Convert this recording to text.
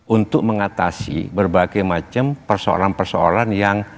untuk mengatasi berbagai macam persoalan persoalan yang